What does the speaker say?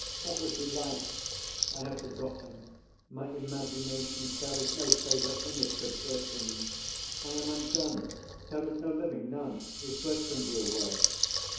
What was he like? I have forgot him; my imagination Carries no favour in't but Bertram's. I am undone: there is no living, none, If Bertram be away.